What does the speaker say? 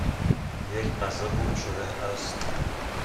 یک غذا گم شده است.